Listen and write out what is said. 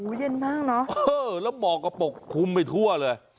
อู๋เย็นมากเนอะแล้วหมอกก็ปกคุมไม่ทั่วเลย